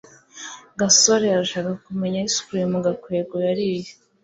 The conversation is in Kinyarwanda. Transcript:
gasore arashaka kumenya ice cream gakwego yariye